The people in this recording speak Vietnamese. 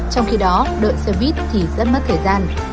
trong khi đó đợi xe buýt thì rất mất thời gian